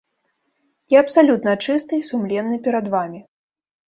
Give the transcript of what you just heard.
Я абсалютна чысты і сумленны перад вамі.